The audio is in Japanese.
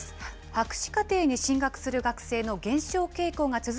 博士課程に進学する学生の減少